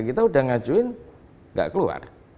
kita udah ngajuin nggak keluar